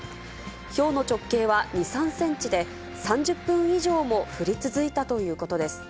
ひょうの直径は２、３センチで、３０分以上も降り続いたということです。